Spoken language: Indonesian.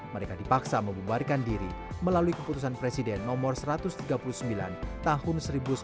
mereka dipaksa membubarkan diri melalui keputusan presiden nomor satu ratus tiga puluh sembilan tahun seribu sembilan ratus sembilan puluh